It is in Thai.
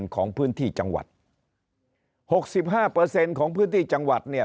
ของพื้นที่จังหวัด๖๕ของพื้นที่จังหวัดเนี่ย